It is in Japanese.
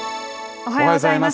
おはようございます。